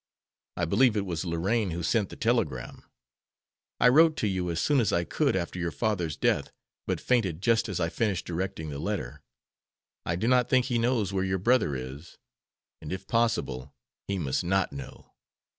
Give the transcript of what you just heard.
I believe it was Lorraine who sent the telegram. I wrote to you as soon as I could after your father's death, but fainted just as I finished directing the letter. I do not think he knows where your brother is, and, if possible, he must not know.